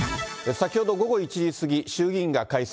先ほど午後１時過ぎ、衆議院が解散。